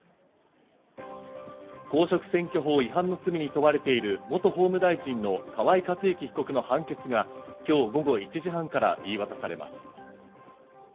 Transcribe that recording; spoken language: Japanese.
公職選挙法違反の罪に問われている元法務大臣の河井克行被告の判決が今日午後１時半から言い渡されます。